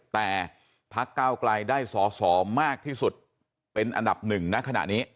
แต่พักเก้าไกลได้สอสอมากที่สุดเป็นอันดับหนึ่งนะขณะนี้